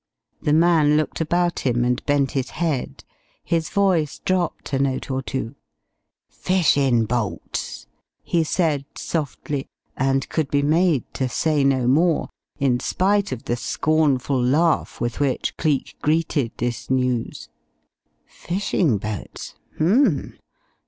The man looked about him and bent his head. His voice dropped a note or two. "Fishin' boats," he said softly, and could be made to say no more, in spite of the scornful laugh with which Cleek greeted this news. Fishing boats?... H'm.